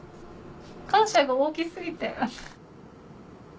感謝が大き過ぎて。